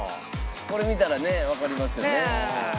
これ見たらねわかりますよね。